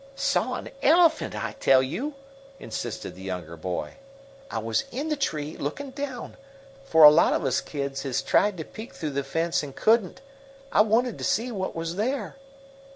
"Saw an elephant, I tell you!", insisted the younger boy. "I was in the tree, looking down, for a lot of us kids has tried to peek through the fence and couldn't I wanted to see what was there."